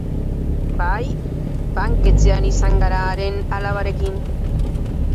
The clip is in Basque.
Bai, banketxean izan gara haren alabarekin.